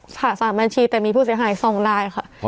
สามบัญชีแต่มีผู้เสียหาย๒ลายค่ะ